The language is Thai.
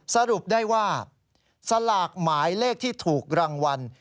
สรุปได้ว่าสลากหมายเลขที่ถูกรางวัล